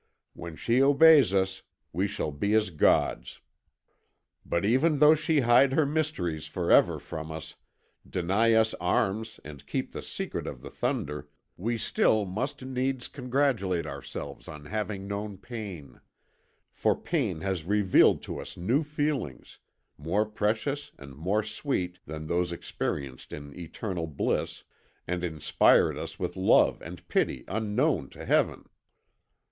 When she obeys us we shall be as gods. But even though she hide her mysteries for ever from us, deny us arms and keep the secret of the thunder, we still must needs congratulate ourselves on having known pain, for pain has revealed to us new feelings, more precious and more sweet than those experienced in eternal bliss, and inspired us with love and pity unknown to Heaven.'